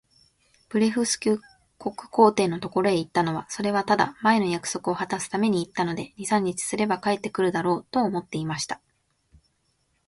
ブレフスキュ国皇帝のところへ行ったのは、それはただ、前の約束をはたすために行ったので、二三日すれば帰って来るだろう、と思っていました。